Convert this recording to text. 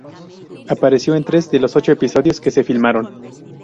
Apareció en tres de los ocho episodios que se filmaron.